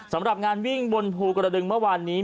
สำหรับงานวิ่งบนภูกระดึงเมื่อวานนี้